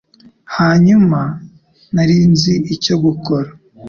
Hanyuma, nari nzi icyo gukora.